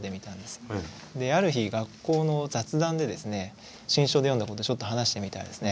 である日学校の雑談でですね新書で読んだことをちょっと話してみたらですね